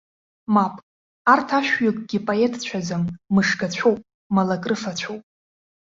Мап, арҭ ашәҩыкгьы поетцәаӡам, мышгацәоуп, малакрыфацәоуп.